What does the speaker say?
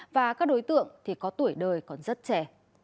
và các đối tượng thì có tuổi đời còn rất trẻ